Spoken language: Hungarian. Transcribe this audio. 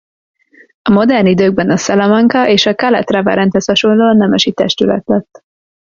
A modern időkben a Salamanca- és a Calatrava-rendhez hasonlóan nemesi testület lett.